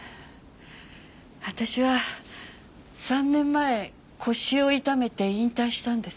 私は３年前腰を痛めて引退したんです。